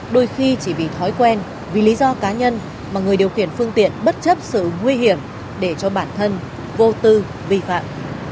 đôi khi chỉ vì thói quen vì lý do cá nhân mà người điều khiển phương tiện bất chấp sự nguy hiểm để cho bản thân vô tư vi phạm